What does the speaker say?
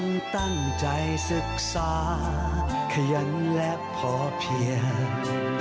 ตั้งใจศึกษาขยันและพอเพียง